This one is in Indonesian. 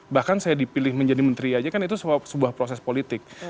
bahkan saya dipilih menjadi menteri aja kan itu sebuah proses politik